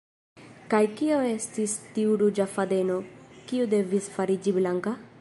Kaj kio estis tiu “ruĝa fadeno” kiu devis fariĝi blanka?